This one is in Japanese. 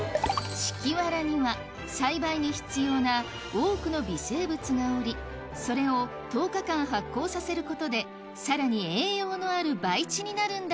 敷き藁には栽培に必要な多くの微生物がおりそれを１０日間発酵させることでさらに栄養のある培地になるんだ